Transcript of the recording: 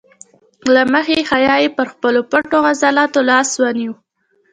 له مخې حیا یې پر خپلو پټو عضلاتو لاس ونیو.